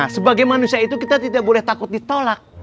sebagai manusia itu kita tidak boleh takut ditolak